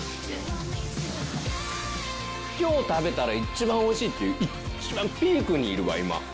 今日食べたら一番おいしいっていう一番ピークにいるわ今。